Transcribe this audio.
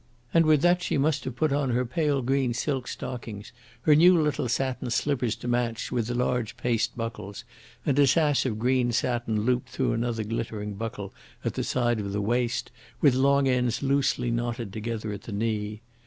And with that she must put on her pale green silk stockings, her new little satin slippers to match, with the large paste buckles and a sash of green satin looped through another glittering buckle at the side of the waist, with long ends loosely knotted together at the knee.